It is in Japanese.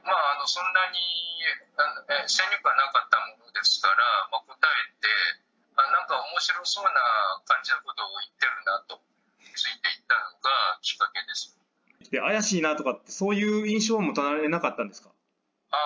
そんなに先入観なかったもんですから、答えて、なんかおもしろそうな感じのことを言ってるなとついていったのが怪しいなとかって、そういう印象を持たれなかったんですか？